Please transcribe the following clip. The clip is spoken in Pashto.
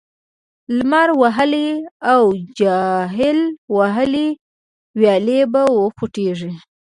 لمر وهلې او جل وهلې ويالې به وخوټېږي،